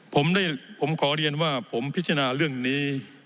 ผมได้ผมขอเรียนว่าผมพิจารณาเรื่องนี้